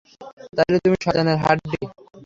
তাইলে তুমি শয়তানের হাড্ডি।